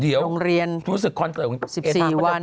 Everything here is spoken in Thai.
เดี๋ยวโรงเรียนรู้สึกคอนเสิร์ต๑๔วัน